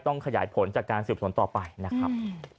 ขยายผลจากการสืบสวนต่อไปนะครับ